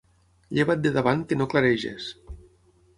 Lleva't de davant, que no clareges.